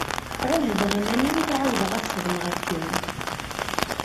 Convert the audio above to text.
Ԑuhdeɣ iman-iw ur εawdeɣ ad xedmeɣ akken.